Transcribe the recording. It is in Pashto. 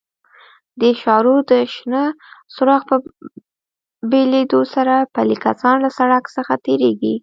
د اشارو د شنه څراغ په بلېدو سره پلي کسان له سړک څخه تېرېږي.